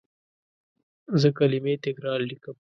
زه کلمې تکرار لیکم.